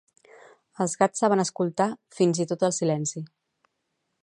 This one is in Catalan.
Els gats saben escoltar fins i tot el silenci.